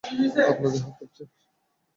আপনার হাত কাঁপছে।